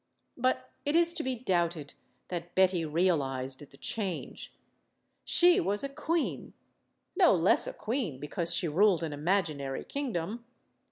But it is to be doubted that Betty realized the change. She was a queen; no less a queen because she ruled an imaginary kingdom.